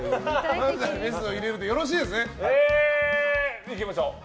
まぶたにメスを入れるでよろしいですね？